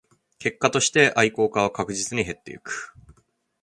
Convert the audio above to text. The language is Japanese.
結果として愛好家は確実に減っていく